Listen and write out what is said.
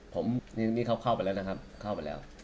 ผมนี่เขาเข้าไปแล้วนะครับเข้าไปแล้ว